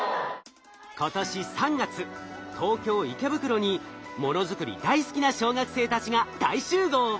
今年３月東京池袋にものづくり大好きな小学生たちが大集合。